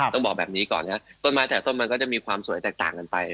ต้องบอกแบบนี้ก่อนครับต้นไม้แต่ต้นมันก็จะมีความสวยแตกต่างกันไป